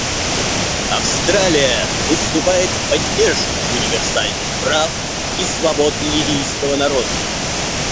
Австралия выступает в поддержку универсальных прав и свобод ливийского народа.